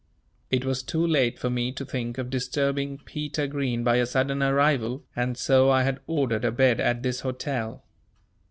It was too late for me to think of disturbing Peter Green by a sudden arrival, and so I had ordered a bed at this hotel.